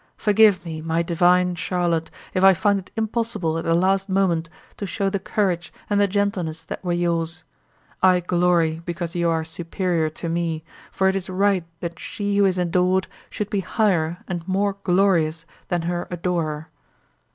Forgive me, my divine Charlotte, if I find it impossible at the last moment to show the courage and the gentleness that were yours! I glory because you are superior to me, for it is right that she who is adored should be higher and more glorious than her adorer!